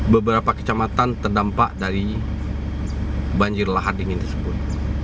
beberapa kecamatan terdampak dari banjir lahar dingin tersebut